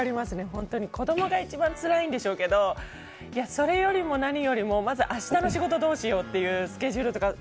本当に子どもが一番つらいんでしょうけどそれよりも何よりもまず明日の仕事どうしようっていうスケジュールとか。